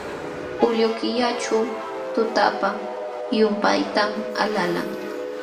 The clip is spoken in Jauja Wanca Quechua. Julio killaćhu tutapa llumpaytam alalan.